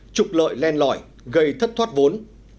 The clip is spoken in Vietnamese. trục lợi len lõi gây thất thoát vốn